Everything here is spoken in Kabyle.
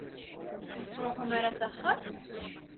Ur tettruḥum ara s axxam?